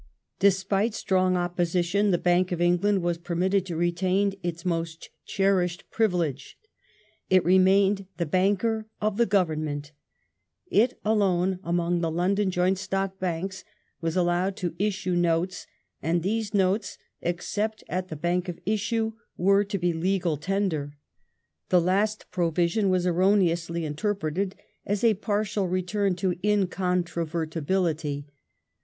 Despite strong opposition, the Bank of England was permitted to retain its most cherished privilege. It remained the Banker of the Government ; it alone, among the London Joint Stock Banks, was allowed to issue notes, and those notes, except at the Bank of issue, were to be legal tender. The last provision was erroneously interpreted as a partial return to incon vertibility.